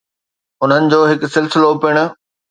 انهن جو هڪ سلسلو پڻ